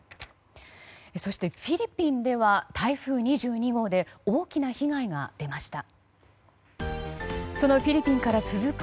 そして、フィリピンでは台風２２号で大きな被害が出ました。